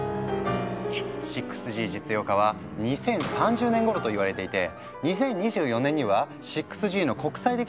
６Ｇ実用化は２０３０年ごろといわれていて２０２４年には６Ｇの国際的な方向性が決まるみたい。